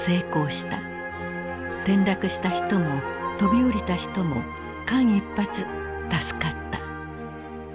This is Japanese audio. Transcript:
転落した人も飛び降りた人も間一髪助かった。